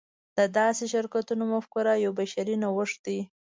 د داسې شرکتونو مفکوره یو بشري نوښت دی.